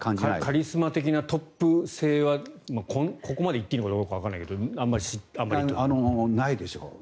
カリスマ的なトップ性はここまで言っていいのかわからないけどないでしょう。